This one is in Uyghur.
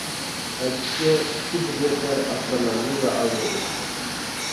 ئەكسىچە ئىچكى زىددىيەتلىرى ئاشكارىلاندى ۋە ئاينىدى.